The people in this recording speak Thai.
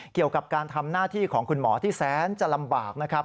เกี่ยวกับการทำหน้าที่ของคุณหมอที่แสนจะลำบากนะครับ